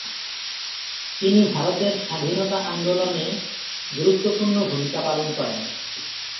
তিনি ভারতের স্বাধীনতা আন্দোলনে গুরুত্বপূর্ণ ভূমিকা পালন করেন।